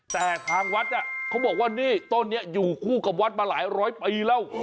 แต่ทางวัดเขาบอกว่านี่ต้นนี้อยู่คู่กับวัดมาหลายร้อยปีแล้ว